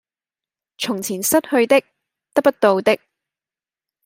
從前失去的、得不到的